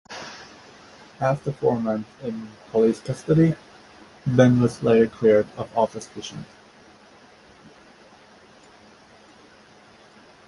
After four months in police custody, Ben was later cleared of all suspicion.